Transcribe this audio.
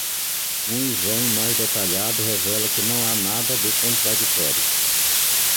Um exame mais detalhado revela que não há nada de contraditório.